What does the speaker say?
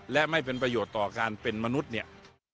และไม่เป็นประโยชน์ต่อการเป็นมนุษย์เนี่ย